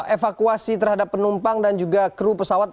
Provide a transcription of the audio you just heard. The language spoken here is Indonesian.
evakuasi terhadap penumpang dan juga kru pesawat